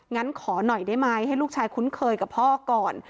งั้นขอหน่อยได้ไหมให้ลูกชายคุ้นเคยกับพ่อก่อน